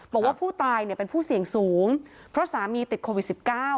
บอกว่าผู้ตายเนี่ยเป็นผู้เสี่ยงสูงเพราะสามีติดโควิด๑๙